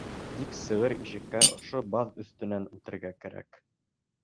Тик сығыр ишеккә ошо баҙ өҫтөнән үтергә кәрәк.